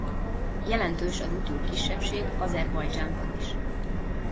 Jelentős a rutul kisebbség Azerbajdzsánban is.